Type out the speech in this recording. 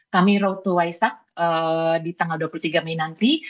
kami road to waisak di tanggal dua puluh tiga mei nanti